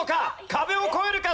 壁を越えるか？